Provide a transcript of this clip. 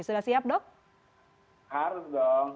sudah siap dok harus dong